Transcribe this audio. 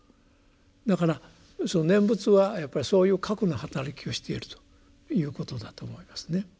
だからその念仏はやっぱりそういう「覚」の働きをしているということだと思いますね。